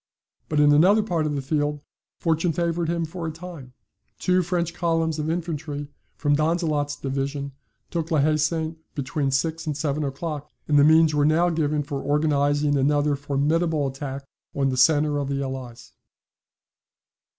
But in another part of the field fortune favoured him for a time. Two French columns of infantry from Donzelot's division took La Haye Sainte between six and seven o'clock, and the means were now given for organizing another formidable attack on the centre of the Allies.